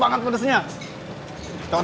bagian yang sangat pedas